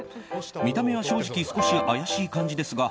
見た目は正直少し怪しい感じですが